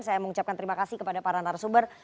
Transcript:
saya mengucapkan terima kasih kepada para narasumber